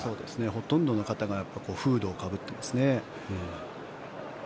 ほとんどの方がフードをかぶってますね。